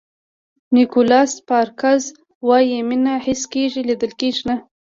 نیکولاس سپارکز وایي مینه حس کېږي لیدل کېږي نه.